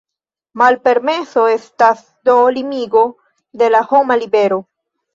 Malpermeso estas do limigo de la homa libero.